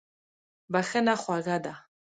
بښنه خوږه ده.